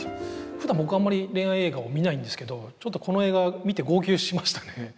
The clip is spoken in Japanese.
ふだん僕はあんまり恋愛映画を見ないんですけどちょっとこの映画見て号泣しましたね